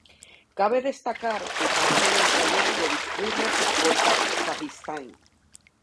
Cabe destacar que parte del trayecto discurre por Kazajistán.